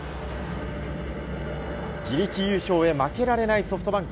自力優勝へ負けられないソフトバンク。